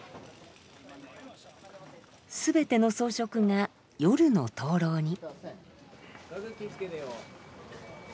全ての装飾が夜の灯籠に。